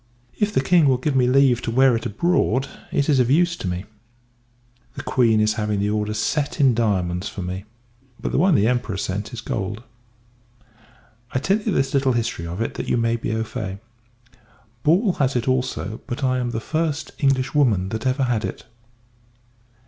If the King will give me leave to wear it abroad, it is of use to me. The Q n is having the order set in diamonds for me; but the one the Emperor sent is gold. I tell you this little history of it, that you may be au fait. Ball has it also, but I am the first Englishwoman that ever had it.